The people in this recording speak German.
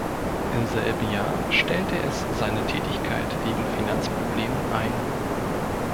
Im selben Jahr stellte es seine Tätigkeit wegen Finanzproblemen ein.